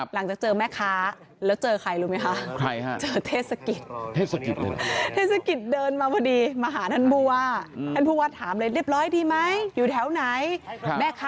หลังจากเจอแม่ค้าแล้วเจอใครรู้ไหมคะ